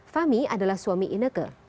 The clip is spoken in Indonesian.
fahmi adalah suami ineke